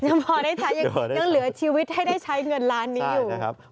ยังพอได้ใช้ยังเหลือชีวิตให้ได้ใช้เงินล้านนี้อยู่ครับ